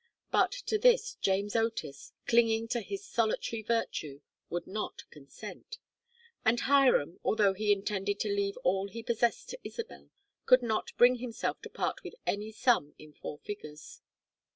But to this James Otis, clinging to his solitary virtue, would not consent; and Hiram, although he intended to leave all he possessed to Isabel, could not bring himself to part with any sum in four figures.